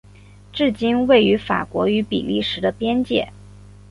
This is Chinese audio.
现今位于法国与比利时的边界。